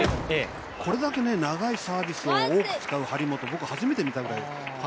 これだけ長いサービスを多く使う張本は初めて見たぐらい。